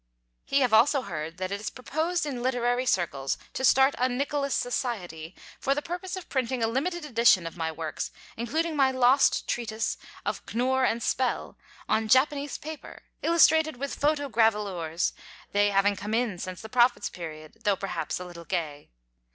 He have also heard that it is proposed in literary circles to start a "Nicholas Society" for the purpose of printing a limited edition of my works including my lost treatise of Knur and Spell, on Japanese paper, illustrated with photo gravelures; they having come in since the Prophet's period, though perhaps a little gay.